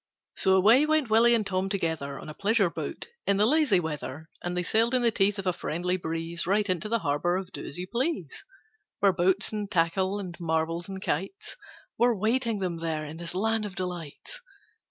So away went Willie and Tom together On a pleasure boat, in the lazy weather, And they sailed in the teeth of a friendly breeze Right into the harbour of 'Do as You Please.' Where boats and tackle and marbles and kites Were waiting them there in this Land of Delights.